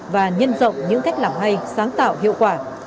và nhân rộng những cách làm hay sáng tạo hiệu quả